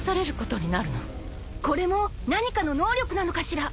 ［これも何かの能力なのかしら？］